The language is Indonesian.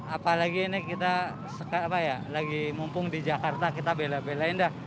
apalagi ini kita lagi mumpung di jakarta kita bela belain dah